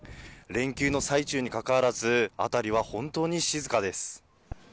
連休の最中にかかわらず、辺りは本当に静かです。